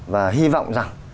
và hy vọng rằng